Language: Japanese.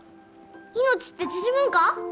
命って縮むんか。